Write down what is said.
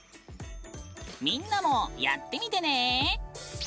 みんなもやってみてね。